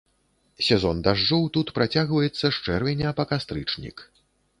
Сезон дажджоў тут працягваецца з чэрвеня па кастрычнік.